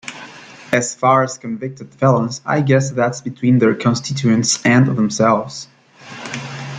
As far as convicted felons, I guess that's between their constituents and themselves.